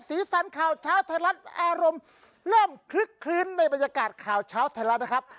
สีสันข่าวเช้าไทยรัฐอารมณ์เริ่มคลึกคลื้นในบรรยากาศข่าวเช้าไทยรัฐนะครับ